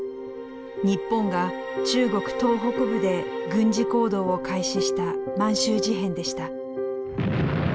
日本が中国東北部で軍事行動を開始した満州事変でした。